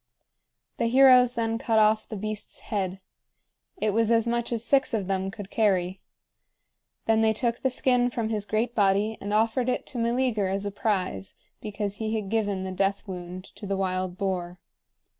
The heroes then cut off the beast's head. It was as much as six of them could carry. Then they took the skin from his great body and offered it to Meleager as a prize, because he had given the death wound to the wild boar.